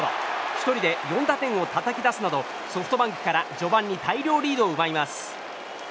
１人で４打点をたたき出すなどソフトバンクから序盤に大量リードを奪います。